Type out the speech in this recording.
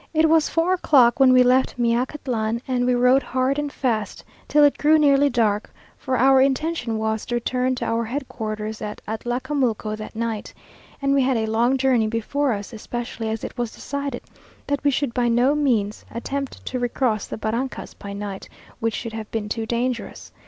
It was four o'clock when we left Meacatlan, and we rode hard and fast till it grew nearly dark, for our intention was to return to our head quarters at Atlacamulco that night, and we had a long journey before us, especially as it was decided that we should by no means attempt to recross the barrancas by night, which would have been too dangerous.